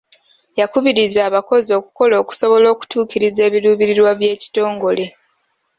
Yakubiriza abakozi okukola okusobola okutuukiriza ebiruubirirwa by'ekitongole.